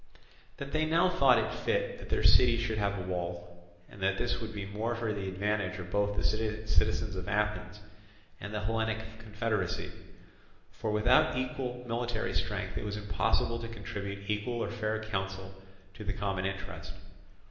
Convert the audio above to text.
That they now thought it fit that their city should have a wall, and that this would be more for the advantage of both the citizens of Athens and the Hellenic confederacy; for without equal military strength it was impossible to contribute equal or fair counsel to the common interest.